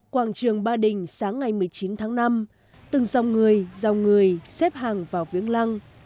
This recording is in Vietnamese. quảng trường ba đình sáng ngày một mươi chín tháng năm từng dòng người dòng người xếp hàng vào viếng lăng